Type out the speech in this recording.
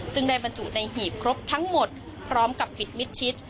ซึ่งได้บรรจุในหีบครบทั้งหมดพร้อมกับปิดมิดชิด